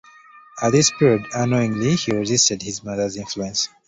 At this period, unknowingly, he resisted his mother’s influence.